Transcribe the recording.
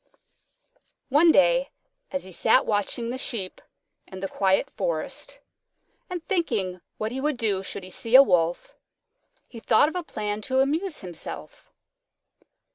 One day as he sat watching the Sheep and the quiet forest, and thinking what he would do should he see a Wolf, he thought of a plan to amuse himself.